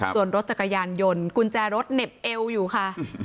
ส่วนรถจักรยานยนต์กุญแจรถเหน็บเอวอยู่ค่ะ